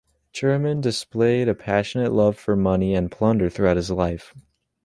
Churaman displayed a passionate love for money and plunder throughout his life.